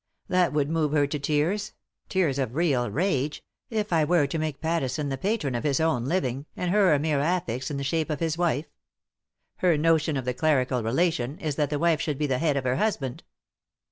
That would move her to tears — tears of real rage— if I were to make Pattisbn the patron of his own living, and her a mere affix in the shape of his wife. Her notion of the clerical relation is that the wife should be the head of her husband."